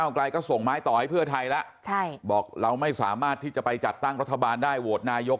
ไกลก็ส่งไม้ต่อให้เพื่อไทยแล้วบอกเราไม่สามารถที่จะไปจัดตั้งรัฐบาลได้โหวตนายก